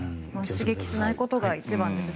刺激しないことが一番です。